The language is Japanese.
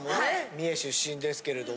三重出身ですけれども。